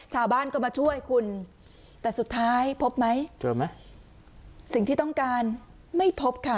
ชาวบ้านก็มาช่วยคุณแต่สุดท้ายพบไหมเจอไหมสิ่งที่ต้องการไม่พบค่ะ